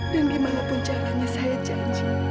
dan bagaimanapun caranya saya janji